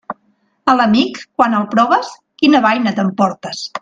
A l'amic, quan el proves, quina baina t'emportes.